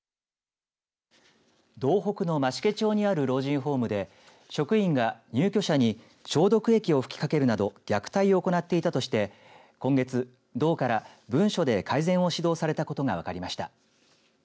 道北の増毛町にある老人ホームで職員が入居者に消毒液を吹きかけるなど虐待を行っていたとして今月、道から文書で改善を指導されたことが分かりました。